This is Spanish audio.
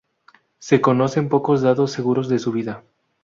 Se conocen pocos datos seguros de su vida.